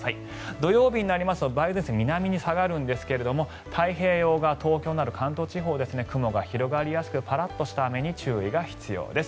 土曜日になりますと梅雨前線が南に下がるんですが太平洋側、東京など関東地方は雲が広がりやすくパラッとした雨に注意が必要です。